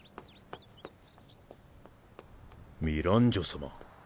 ミランジョ様？